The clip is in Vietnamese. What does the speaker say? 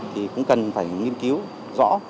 thì cũng cần phải nghiên cứu rõ